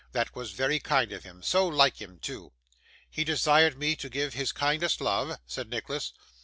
That was very kind of him; so like him too! 'He desired me to give his kindest love,' said Nicholas.